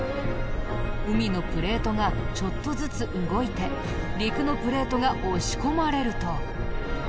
海のプレートがちょっとずつ動いて陸のプレートが押し込まれると。